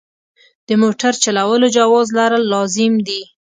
د موټر چلولو جواز لرل لازم دي.